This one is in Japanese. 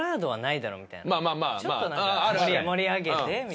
ちょっとなんか盛り上げてみたいな。